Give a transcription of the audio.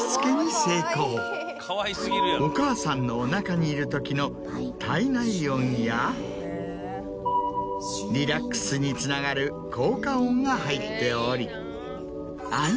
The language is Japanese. お母さんのお腹にいるのときの胎内音やリラックスにつながる効果音が入っており。